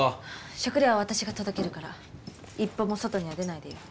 食料は私が届けるから一歩も外には出ないでよ。